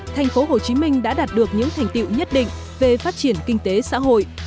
thành phố hồ chí minh đã đạt được những thành tiệu nhất định về phát triển kinh tế xã hội